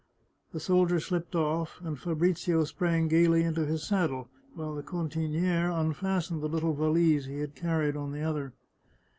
The soldier slipped oflf, and Fabrizio sprang gaily into his saddle, while the cantiniere unfastened the little valise he had carried on the other.